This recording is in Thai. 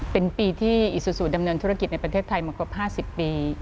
เป็นปีที่อิซูซูดำเนินธุรกิจในประเทศไทยมากว่า๕๐ปี